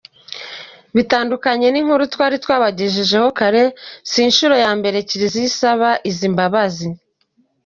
Bitandukanye n'inkuru twari twabagejejeho kare, si inshuro ya mbere Kiliziya isaba izi mbabazi.